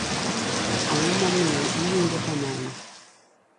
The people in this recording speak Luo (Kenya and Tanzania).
Ang'o momiyo iwinjo kamano?